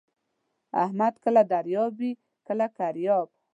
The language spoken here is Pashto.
احمد کله دریاب وي کله کریاب.